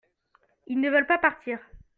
ils ne veulent pas partir.